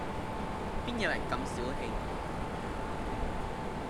邊有人咁小器